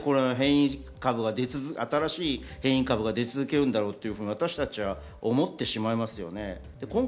いつまで変異株、新しいものが出続けるんだろうと私たちは思ってしまいますよね。